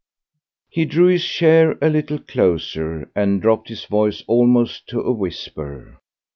He drew his chair a little closer and dropped his voice almost to a whisper.